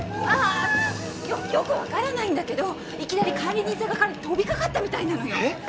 あっよくわからないんだけどいきなり管理人さんが彼に飛びかかったみたいなのよ。